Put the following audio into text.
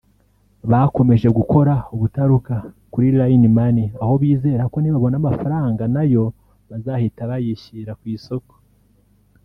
Bakomeje gukora ubutaruka kuri LineMoney aho bizera ko nibabona amafaranga nayo bazahita bayishyira ku isoko